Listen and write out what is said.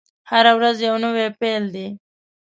هره ورځ يو نوی پيل دی.